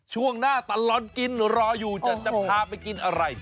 ช่วงหน้าตลอดกินรออยู่จะพาไปกินอะไร